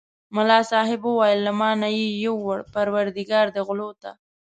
ملا صاحب وویل له ما نه یې یووړ پرودګار دې غلو ته.